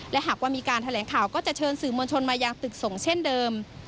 และหากว่ามีการแถลงข่าวก็จะเชิญสื่อมวลชนมายังตึกส่งเช่นเดิม